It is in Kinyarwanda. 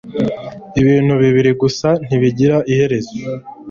Ibintu bibiri gusa ntibigira iherezo